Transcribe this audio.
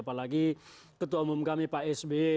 apalagi ketua umum kami pak s b